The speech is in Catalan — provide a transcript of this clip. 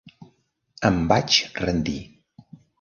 Em vaig rendir.